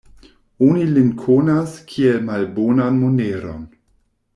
Oni lin konas, kiel malbonan moneron.